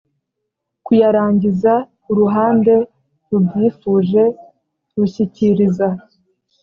kuyarangiza uruhande rubyifuje rushyikiriza